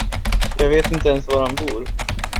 Jag vet inte ens var han bor.